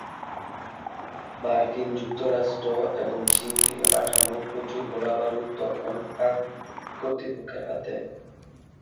মার্কিন যুক্তরাষ্ট্র এবং চীন থেকে পাঠানো প্রচুর গোলাবারুদ তখন পাক কর্তৃপক্ষের হাতে।